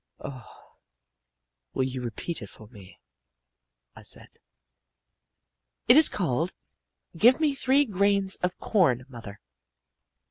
"Oh, will you repeat it for me!" I said. "It is called, 'Give Me Three Grains of Corn, Mother.